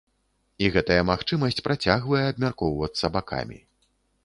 І гэтая магчымасць працягвае абмяркоўвацца бакамі.